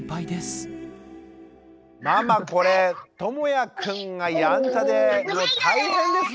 ママこれともやくんがやんちゃで大変ですね。